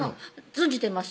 存じてます